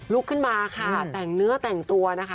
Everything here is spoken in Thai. ลุกขึ้นมาค่ะแต่งเนื้อแต่งตัวนะคะ